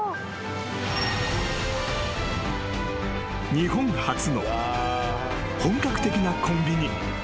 ［日本初の本格的なコンビニ］